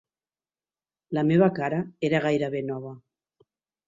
La meva cara era gairebé nova.